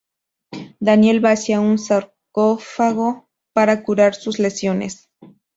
Daniel va hacia un sarcófago, para curar sus lesiones.